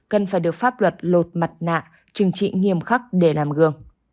cần phải được pháp luật lột mặt nạ trừng trị nghiêm khắc để làm gương